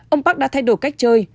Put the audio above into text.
ông park đã thay đổi cách chơi